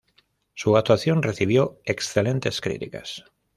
Su actuación recibió excelentes críticas.